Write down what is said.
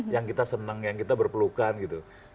yang kita senang yang kita berpelukan gitu